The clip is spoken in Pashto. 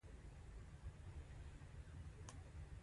ملا وویل تعویذ درته لیکمه